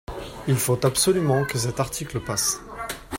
Il faut absolument que cet article passe.